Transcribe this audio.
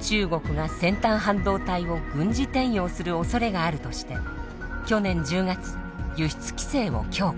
中国が先端半導体を軍事転用するおそれがあるとして去年１０月輸出規制を強化。